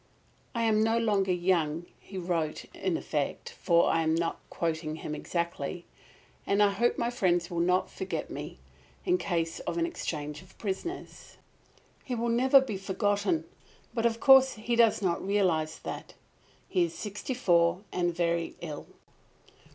"I am no longer young," he wrote in effect, for I am not quoting him exactly, "and I hope my friends will not forget me, in case of an exchange of prisoners." He will never be forgotten. But of course he does not realise that. He is sixty four and very ill.